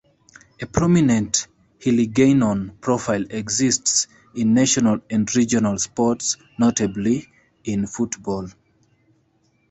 A prominent Hiligaynon profile exists in national and regional sports, notably in football.